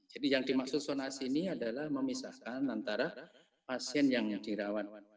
jadi yang dimaksud zonasi ini adalah memisahkan antara pasien yang dirawat